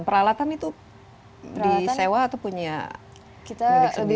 peralatan itu di sewa atau punya milik sendiri